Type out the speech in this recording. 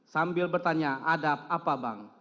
sambil bertanya adab apa bang